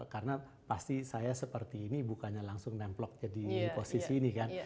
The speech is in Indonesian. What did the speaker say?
karena pasti saya seperti ini bukannya langsung nempel jadi posisi ini kan